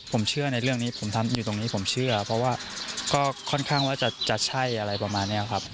ผมเชื่อในเรื่องนี้ผมทำอยู่ตรงนี้ผมเชื่อเพราะว่าก็ค่อนข้างว่าจะใช่อะไรประมาณนี้ครับ